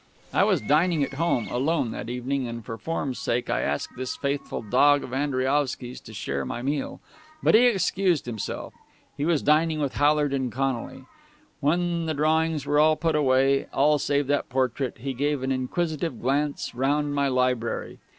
I was dining at home, alone, that evening, and for form's sake I asked this faithful dog of Andriaovsky's to share my meal; but he excused himself he was dining with Hallard and Connolly. When the drawings were all put away, all save that portrait, he gave an inquisitive glance round my library.